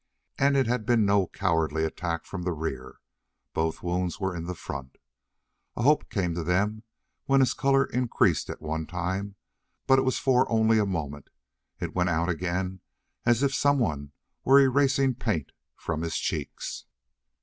And it had been no cowardly attack from the rear. Both wounds were in the front. A hope came to them when his color increased at one time, but it was for only a moment; it went out again as if someone were erasing paint from his cheeks.